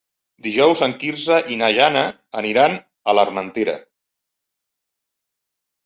Dijous en Quirze i na Jana aniran a l'Armentera.